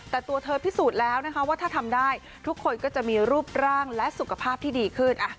แต่ตัวเธอพิสูจน์แล้วนะคะว่าถ้าทำได้ทุกคนก็จะมีรูปร่างและสุขภาพที่ดีขึ้น